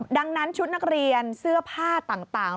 ดังนั้นชุดนักเรียนเสื้อผ้าต่าง